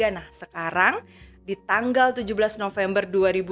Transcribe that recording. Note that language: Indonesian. nah sekarang di tanggal tujuh belas november dua ribu dua puluh